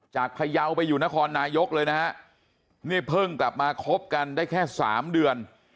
พยาวไปอยู่นครนายกเลยนะฮะนี่เพิ่งกลับมาคบกันได้แค่สามเดือน